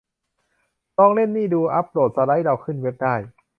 ลองเล่นนี่ดู อัปโหลดสไลด์เราขึ้นเว็บได้